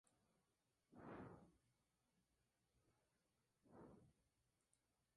Luego, cada teoría concreta define la felicidad de forma distinta.